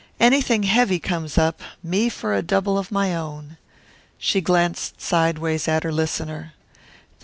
Anything heavy comes up me for a double of my own." She glanced sidewise at her listener.